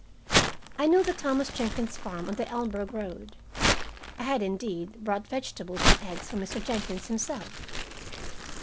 I knew the Thomas Jenkins farm on the Elmsburg road. I had, indeed, bought vegetables and eggs from Mr. Jenkins himself.